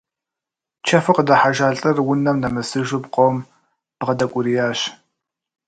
Чэфу къыдыхьэжа лӏыр унэм нэмысыжу пкъом бгъэдэкӏуриящ.